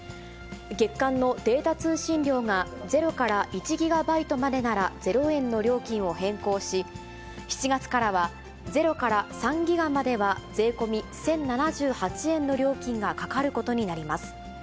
月間のデータ通信量が０から１ギガバイトまでなら０円の料金を変更し、７月からは０から３ギガまでは税込み１０７８円の料金がかかることになります。